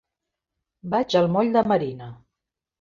Vaig al moll de Marina.